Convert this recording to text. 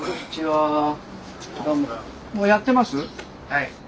はい。